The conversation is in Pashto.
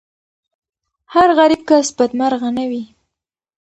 هر غریب کس بدمرغه نه وي.